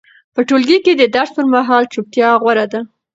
په ټولګي کې د درس پر مهال چوپتیا غوره ده.